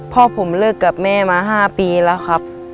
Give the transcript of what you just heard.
พ่อผมเลิกกับแม่มา๕ปีแล้วครับ